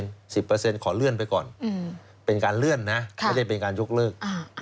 ขอเลื่อนไปก่อนเป็นการเลื่อนนะไม่ได้เป็นการยกเลิก